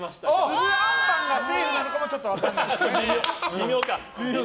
つぶあんぱんがセーフなのかも分かんない。